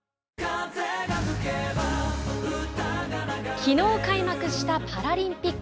昨日開幕したパラリンピック。